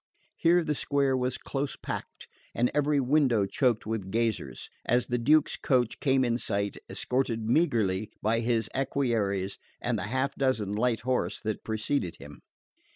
Here the square was close packed, and every window choked with gazers, as the Duke's coach came in sight, escorted meagrely by his equerries and the half dozen light horse that preceded him.